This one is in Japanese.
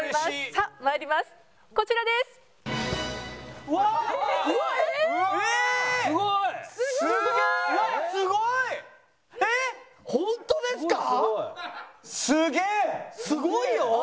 すごいよ！